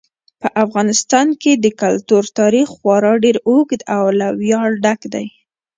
په افغانستان کې د کلتور تاریخ خورا ډېر اوږد او له ویاړه ډک دی.